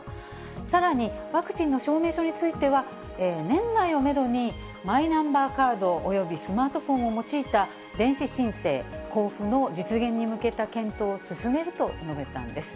さらにワクチンの証明書については、年内をメドにマイナンバーカードおよびスマートフォンを用いた電子申請・交付の実現に向けた検討を進めると述べたんです。